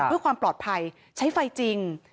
เพื่อความปลอดภัยใช้ไฟจริง